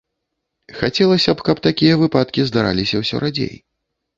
Хацелася б, каб такія выпадкі здараліся ўсё радзей.